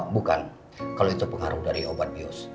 bukan kalau itu pengaruh dari obat bius